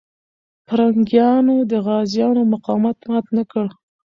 پرنګیانو د غازيانو مقاومت مات نه کړ.